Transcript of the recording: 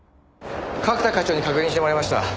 角田課長に確認してもらいました。